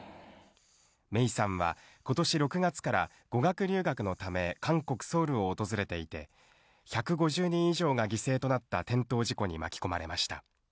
芽生さんはことし６月から、語学留学のため、韓国・ソウルを訪れていて、１５０人以上が犠牲となった転倒事故に巻き込まれました。